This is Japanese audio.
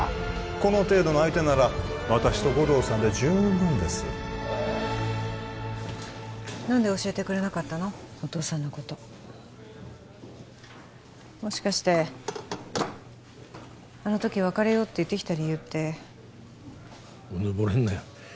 この程度の相手なら私と護道さんで十分です何で教えてくれなかったのお父さんのこともしかしてあの時別れようって言ってきた理由ってうぬぼれんなよ